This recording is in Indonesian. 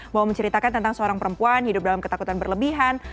mau menceritakan tentang seorang perempuan hidup dalam ketakutan berlebihan